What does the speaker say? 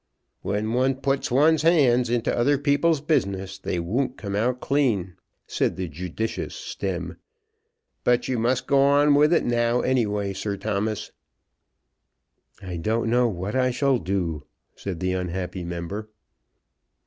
"When one puts one's hand into other people's business, they won't come out clean," said the judicious Stemm. "But you must go on with it now, any way, Sir Thomas." "I don't know what I shall do," said the unhappy member.